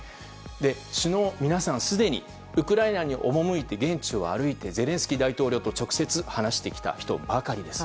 首脳の皆さんはすでにウクライナに赴いて現地を歩いてゼレンスキー大統領と直接話してきた人ばかりです。